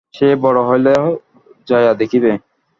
সে বড় হইলে যাইয়া দেখিবে।